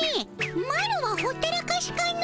マロはほったらかしかの。